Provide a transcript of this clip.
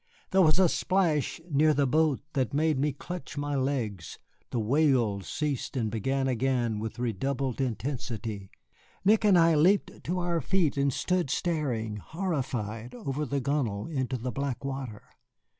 There was a splash near the boat that made me clutch my legs, the wails ceased and began again with redoubled intensity. Nick and I leaped to our feet and stood staring, horrified, over the gunwale into the black water.